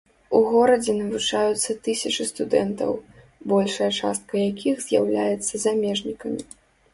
У горадзе навучаюцца тысячы студэнтаў, большая частка якіх з'яўляецца замежнікамі.